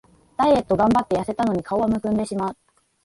ダイエットがんばってやせたのに顔はむくんでしまう